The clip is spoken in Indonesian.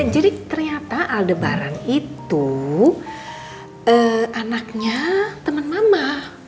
jadi ternyata aldebaran itu anaknya temen mama